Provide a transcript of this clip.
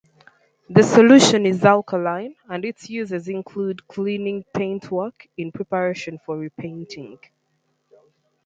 The solution is alkaline and its uses include cleaning paintwork in preparation for repainting.